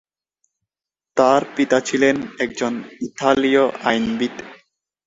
তার পিতা ছিলেন একজন ইতালীয় আইনবিদ।